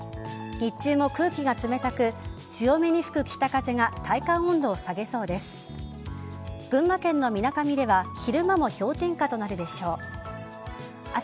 日中も空気が冷たく強めに吹く北風が体感温度を下げそうです。